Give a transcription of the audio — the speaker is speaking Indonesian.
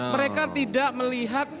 mereka tidak melihat